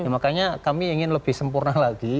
makanya kami ingin lebih sempurna lagi